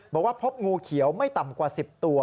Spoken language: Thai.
บอกว่าพบงูเขียวไม่ต่ำกว่า๑๐ตัว